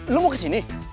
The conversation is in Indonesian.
lu mau kesini